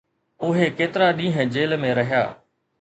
اهي ڪيترا ڏينهن جيل ۾ رهيا